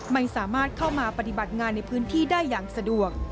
ไม่สามารถเข้ามาปฏิบัติงานในพื้นที่ได้อย่างสะดวก